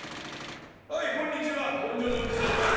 「はいこんにちは本所のおじさんです。